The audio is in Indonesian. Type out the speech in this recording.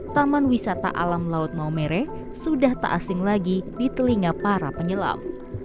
taman wisata alam laut maumere sudah tak asing lagi di telinga para penyelam